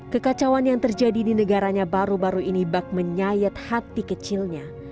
kekacauan yang terjadi di negaranya baru baru ini bak menyayat hati kecilnya